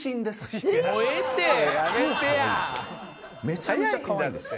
めちゃめちゃかわいいんです。